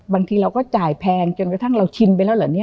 บางทีเราก็จ่ายแพงจนกระทั่งเราชินไปแล้วเหรอเนี่ย